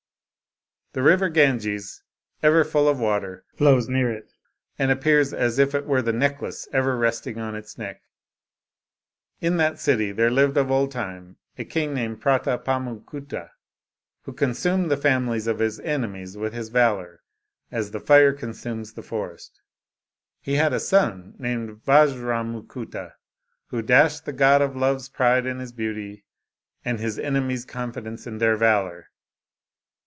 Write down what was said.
The river Ganges, ever full of water, flows near it, and appears as if it were the necklace ever resting on its neck; in that city there lived of old time a king named Pratapamukuta, who consumed the families of his enemies with his valor, as the fire consumes the forest. He had a son named Vajramu kuta, who dashed the god of love's pride in his beauty, and his enemies' confidence in their valor.